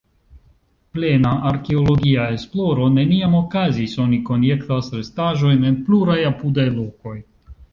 Plena arkeologia esploro neniam okazis, oni konjektas restaĵojn en pluraj apudaj lokoj.